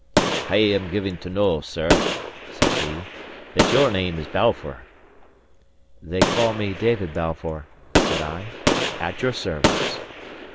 "I am given to know, sir," says he, "that your name is Balfour." "They call me David Balfour," said I, "at your service."